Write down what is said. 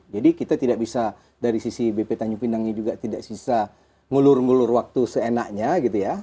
jadi kita tidak bisa dari sisi bp tanjung pinang juga tidak sisa ngulur ngulur waktu seenaknya gitu ya